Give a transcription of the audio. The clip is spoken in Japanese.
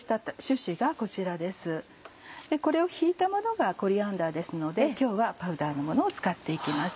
これをひいたものがコリアンダーですので今日はパウダーのものを使って行きます。